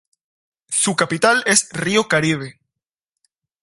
Su capital es Río Caribe.